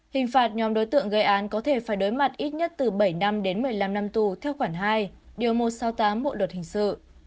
hình phạt nhóm đối tượng gây án có thể phải đối mặt ít nhất từ bảy năm đến một mươi năm năm tù theo khoản hai điều một trăm sáu mươi tám bộ luật hình sự